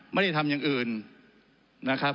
ไม่ได้ทำอย่างอื่นนะครับ